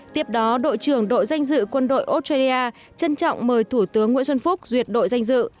tiếp đó đội trưởng đội danh dự quân đội australia trân trọng mời thủ tướng nguyễn xuân phúc duyệt đội danh dự